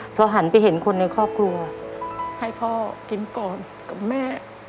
พอหันไปเห็นคนในครอบครัวให้พ่อกินก่อนกับแม่